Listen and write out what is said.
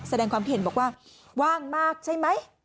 แสดงความเห็นบอกว่าว่างมากใช่ไหม